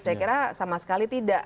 saya kira sama sekali tidak